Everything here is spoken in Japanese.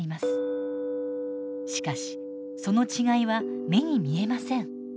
しかしその違いは目に見えません。